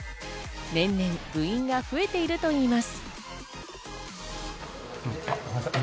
年々部員が増えているといいます。